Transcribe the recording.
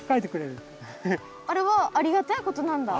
あれはありがたいことなんだ？